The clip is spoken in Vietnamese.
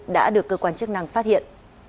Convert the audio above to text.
đã được cơ quan chức năng phát hiện